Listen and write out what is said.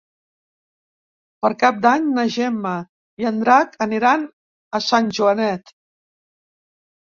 Per Cap d'Any na Gemma i en Drac aniran a Sant Joanet.